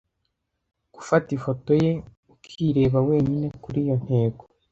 Gufata ifoto ye, ukireba wenyine kuri iyo ntego